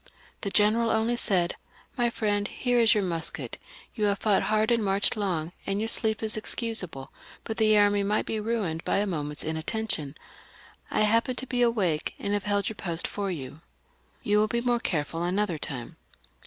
The general only said, " My friend, here is your musket ; you have fought hard and marched long, and your sleep is excusable, but the army might be ruined by a moment's inattention. I happened to be awake, and have held your post for you. You will be more careful another time."